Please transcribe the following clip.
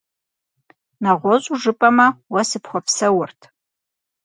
НэгъуэщӀу жыпӀэмэ, уэ сыпхуэпсэурт…